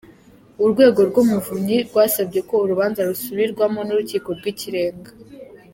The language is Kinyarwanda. Urwego rw’Umuvunyi rwasabye ko urubanza rusubirwamo n’Urukiko rw’Ikirenga.